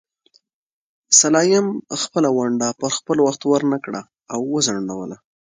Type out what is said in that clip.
سلایم خپله ونډه پر خپل وخت ورنکړه او وځنډوله.